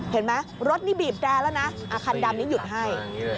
เห็นไหมรถนี่บีบแรร์แล้วนะคันดำนี้หยุดให้